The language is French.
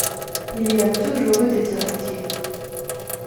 Il y a toujours eu des directives.